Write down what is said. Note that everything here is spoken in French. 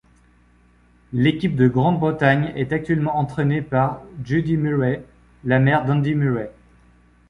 L'équipe de Grande-Bretagne est actuellement entraînée par Judy Murray, la mère d'Andy Murray.